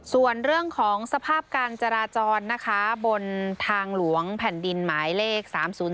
ส่วนเรื่องของสภาพการจราจรนะคะบนทางหลวงแผ่นดินหมายเลข๓๐๔